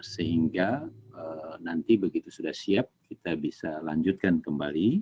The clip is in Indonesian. sehingga nanti begitu sudah siap kita bisa lanjutkan kembali